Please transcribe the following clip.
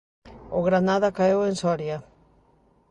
O Granada caeu en Soria.